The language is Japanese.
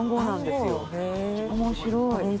面白い。